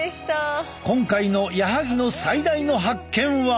今回の矢萩の最大の発見は。